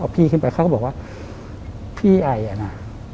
พี่ไอร์น่ะ